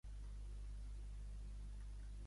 Em dic Lukas Riaño: erra, i, a, enya, o.